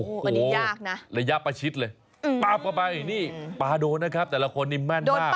ฮอโหวเป็นดินยากนะระยะไปชิดเลยป้าโดนะครับแต่ว่าคนนี้แม่นมาก